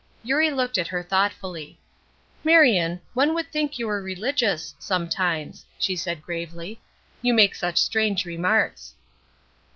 Eurie looked at her thoughtfully. "Marion, one would think you were religious sometimes," she said, gravely. "You make such strange remarks."